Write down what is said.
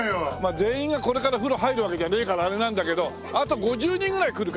全員がこれから風呂入るわけじゃねえからあれなんだけどあと５０人ぐらい来るから。